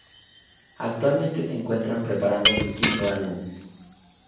Actualmente se encuentran preparando su quinto album.